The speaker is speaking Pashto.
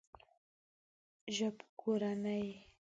ژبکورنۍ